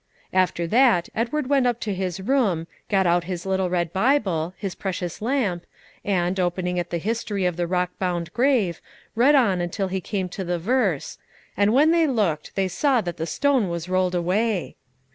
After that Edward went up to his room, got out his little red Bible, his precious lamp, and, opening at the history of the rock bound grave, read on until he came to the verse, "And when they looked, they saw that the stone was rolled away."